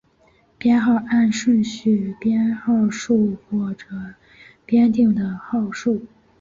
编号按顺序编号数或者编定的号数。